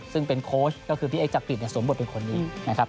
ซึ่งเป็นโค้ชก็คือพี่เอ๊จักริตสวมบทเป็นคนนี้นะครับ